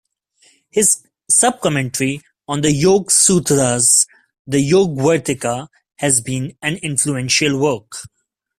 His sub-commentary on the Yoga Sutras, the "Yogavarttika," has been an influential work.